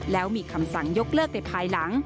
แล้วมีคำสั่งยกเลิกในภายหลัง